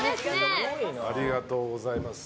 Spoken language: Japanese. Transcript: ありがとうございます。